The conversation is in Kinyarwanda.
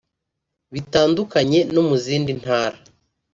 Bitandukanye no mu zindi Ntara